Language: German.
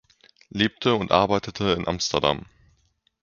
Lebte und arbeitete in Amsterdam.